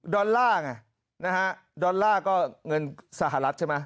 อลลาร์ไงนะฮะดอลลาร์ก็เงินสหรัฐใช่ไหม